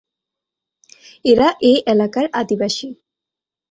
এরা এ এলাকার আদিবাসী।